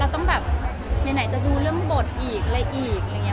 เราก็ต้องแบบไหนจะดูเรื่องบทอีกอะไรอีกมันค่อนข้างเยอะค่ะ